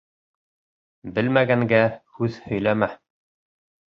Белмәгәнгә һүҙ һөйләмә